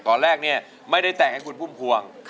ตอนแรกเนี่ยไม่ได้แต่งให้คุณพุ่มพวง